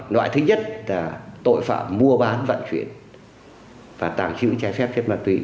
loại thứ nhất là tội phạm mua bán vận chuyển và tàng trữ trái phép chất ma túy